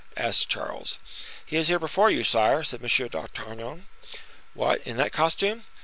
asked Charles. "He is before you, sire," said M. d'Artagnan. "What, in that costume?"